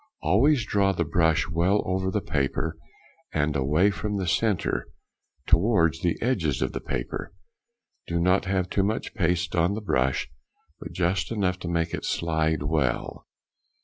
Always draw the brush well over the paper and away from the centre, towards the edges of the paper. Do not have too much paste in the brush, but just enough to make it slide well.